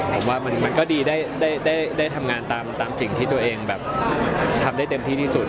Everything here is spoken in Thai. ผมว่ามันก็ดีได้ทำงานตามสิ่งที่ตัวเองแบบทำได้เต็มที่ที่สุด